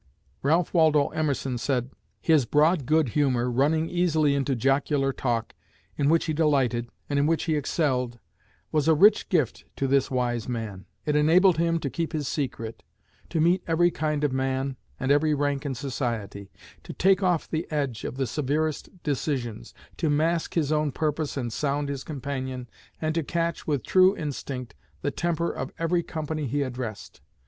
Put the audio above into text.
Ralph Waldo Emerson said: "His broad good humor, running easily into jocular talk, in which he delighted, and in which he excelled, was a rich gift to this wise man. It enabled him to keep his secret, to meet every kind of man, and every rank in society; to take off the edge of the severest decisions, to mask his own purpose and sound his companion, and to catch, with true instinct, the temper of every company he addressed.